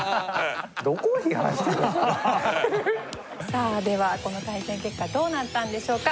さあではこの対戦結果どうなったんでしょうか？